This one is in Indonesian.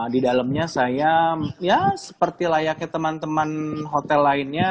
di dalamnya saya ya seperti layaknya teman teman hotel lainnya